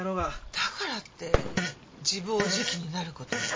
だからって自暴自棄になる事も。